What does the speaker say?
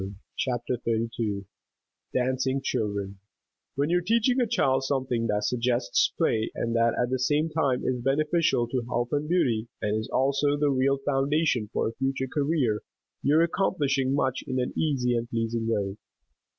[Illustration: NW] DANCING CHILDREN When you are teaching a child something that suggests play, and that at the same time is beneficial to health and beauty, and is also the real foundation for a future career, you are accomplishing much in an easy and pleasing way.